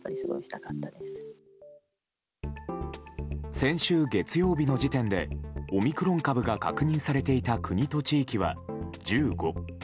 先週月曜日の時点でオミクロン株が確認されていた国と地域は１５。